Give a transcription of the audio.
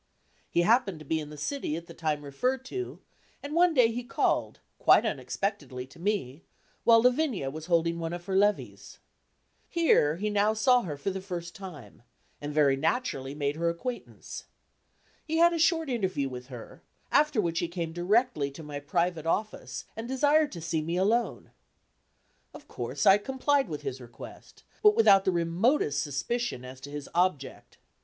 He happened to be in the city at the time referred to, and one day he called, quite unexpectedly to me, while Lavinia was holding one of her levees. Here he now saw her for the first time, and very naturally made her acquaintance. He had a short interview with her, after which he came directly to my private office and desired to see me alone. Of course I complied with his request, but without the remotest suspicion as to his object.